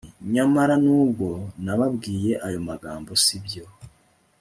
nyamara nubwo nababwiye ayo magambo si byo